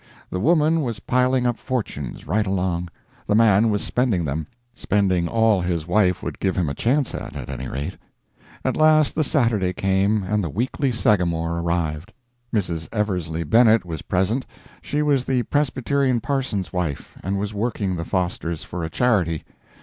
The woman was piling up fortunes right along, the man was spending them spending all his wife would give him a chance at, at any rate. At last the Saturday came, and the Weekly Sagamore arrived. Mrs. Eversly Bennett was present. She was the Presbyterian parson's wife, and was working the Fosters for a charity.